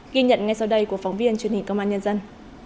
ghi nhận ngay sau đây của phóng viên truyền hình công an nhân dân